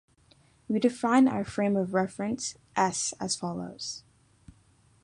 We define our "frame of reference" "S" as follows.